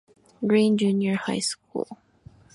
Green Junior High School.